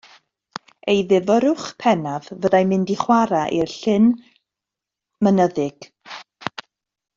Ei ddifyrrwch pennaf fyddai mynd i chware i'r llyn mynyddig.